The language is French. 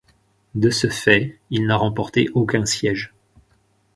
De ce fait, il n'a remporté aucun siège.